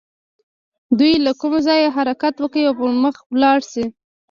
دوی له کوم ځايه حرکت وکړي او پر مخ لاړ شي.